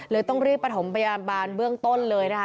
ต้องรีบประถมพยาบาลเบื้องต้นเลยนะคะ